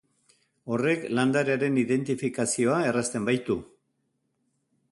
Horrek landarearen identifikazioa errazten baitu.